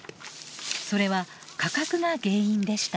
それは価格が原因でした。